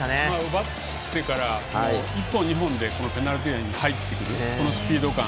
奪ってから１本、２本でペナルティーエリアに入ってくるこのスピード感。